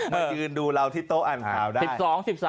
มายืนดูเราที่โต๊ะอ่านข่าวได้